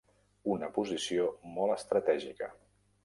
Una posició molt estratègica.